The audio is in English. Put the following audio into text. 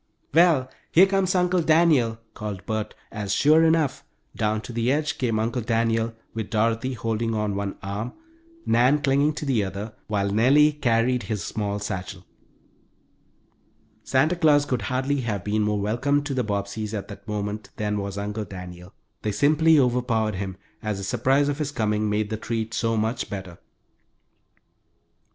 "Well, here comes Uncle Daniel!" called Bert, as, sure enough, down to the edge came Uncle Daniel with Dorothy holding on one arm, Nan clinging to the other, while Nellie carried his small satchel. Santa Claus could hardly have been more welcome to the Bobbseys at that moment than was Uncle Daniel. They simply overpowered him, as the surprise of his coming made the treat so much better.